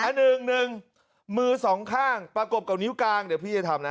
อันหนึ่งหนึ่งมือสองข้างประกบกับนิ้วกลางเดี๋ยวพี่จะทำนะ